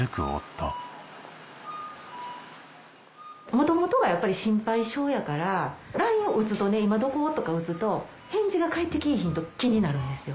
元々がやっぱり心配性やからＬＩＮＥを打つと「今どこ？」とか打つと返事が返ってきぃひんと気になるんですよ